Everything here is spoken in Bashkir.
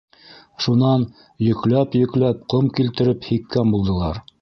Шунан йөкләп-йөкләп ҡом килтереп һипкән булдылар.